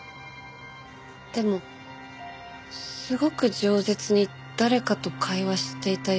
でもすごく饒舌に誰かと会話していたような。